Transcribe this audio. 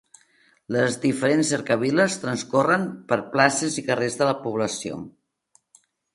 Les diferents cercaviles transcorren per places i carrers de la població.